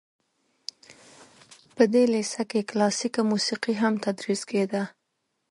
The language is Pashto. په دې لیسه کې کلاسیکه موسیقي هم تدریس کیده.